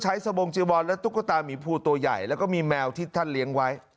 สบงจีวอนและตุ๊กตามีภูตัวใหญ่แล้วก็มีแมวที่ท่านเลี้ยงไว้